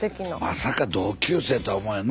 まさか同級生とは思わへん。